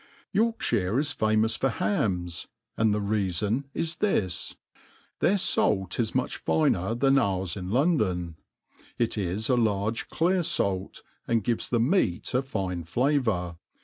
YorkQiire is famous for hams ; and the reafon is this : their fait is much finer than ours in London ; it is a large clear falt^ and gives the meat a ^ne flavour.